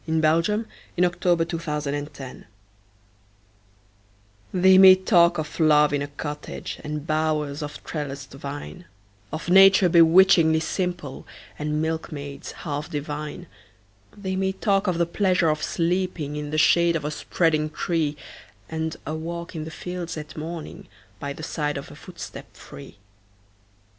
Nathaniel Parker Willis Love in a Cottage THEY may talk of love in a cottage And bowers of trellised vine Of nature bewitchingly simple, And milkmaids half divine; They may talk of the pleasure of sleeping In the shade of a spreading tree, And a walk in the fields at morning, By the side of a footstep free!